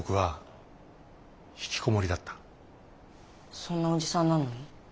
そんなおじさんなのに？